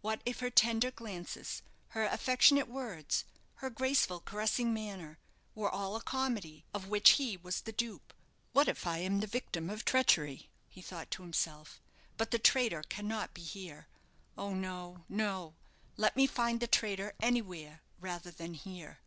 What if her tender glances, her affectionate words, her graceful, caressing manner, were all a comedy, of which he was the dupe! What if "I am the victim of treachery," he thought to himself; "but the traitor cannot be here. Oh, no, no! let me find the traitor anywhere rather than here."